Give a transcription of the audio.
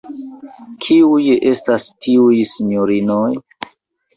Kiuj estas tiuj sinjorinoj?